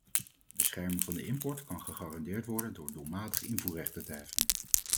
Bescherming van de import kan gegarandeerd worden door doelmatig invoerrechten te heffen.